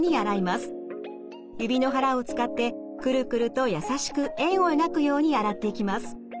指の腹を使ってクルクルと優しく円を描くように洗っていきます。